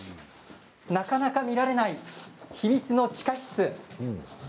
なかなか見られない秘密の地下室。